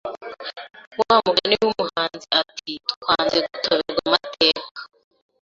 wa mugani w,umuhanzi ati twanze gutoberwa amateka!